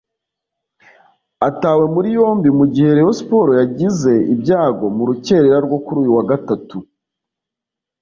Atawe muri yombi mu gihe Rayon Sports yagize ibyago mu rukerera rwo kuri uyu wa Gatatu